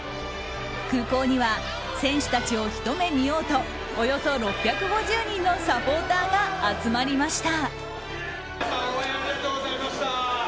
空港には選手たちをひと目見ようとおよそ６５０人のサポーターが集まりました。